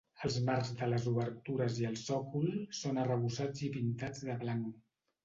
Els marcs de les obertures i el sòcol són arrebossats i pintats de blanc.